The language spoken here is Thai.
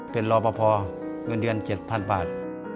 เป็นรอบพอพอเงินเดือน๗๐๐๐บาท